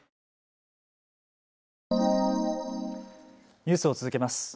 ニュースを続けます。